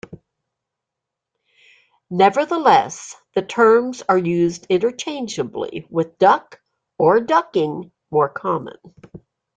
Nevertheless, the terms are used interchangeably with duck or ducking more common.